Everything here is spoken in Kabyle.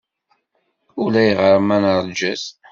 Ulayɣer ma neṛja-t.